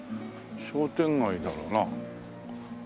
商店街だろうな。